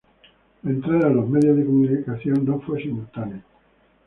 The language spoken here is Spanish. La entrada de los medios de comunicación no fue simultánea.